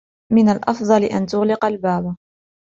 من الأفضل أن تغلق الباب.